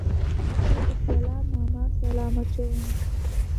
زه په سلام ماما سلام اچوم